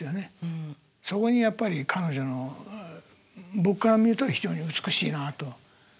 そこにやっぱり彼女の僕から見ると非常に美しいなと。